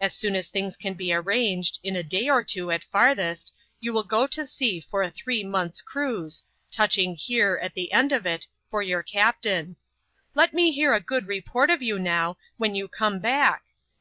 As soon as things can be arranged — in a day or too, at farthest — you will go to sea for a three months* cruise, touching here, at the end of it^ for your captain. Let me hear a good report of you, now, when you oome back.